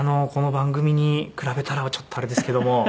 この番組に比べたらちょっとあれですけども。